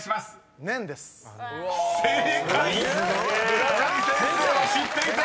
［村上先生は知っていた！］